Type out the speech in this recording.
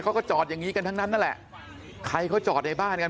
เขาก็จอดอย่างงี้กันทั้งนั้นนั่นแหละใครเขาจอดในบ้านกัน